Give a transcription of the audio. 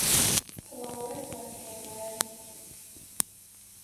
سڵاو و رێزمان هەیە بۆیان